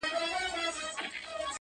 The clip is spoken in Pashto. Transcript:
په رنگ ښايسته، په عمل خواره خسته.